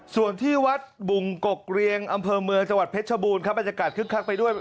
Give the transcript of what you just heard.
ส่วนที่วัดบุงกกเรียงอำเภอเมืองจังหวัดเพชรชบูรณ์ครับบรรยากาศคึกคักไปด้วย